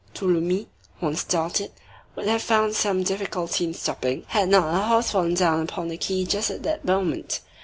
Tholomyès, once started, would have found some difficulty in stopping, had not a horse fallen down upon the quay just at that moment.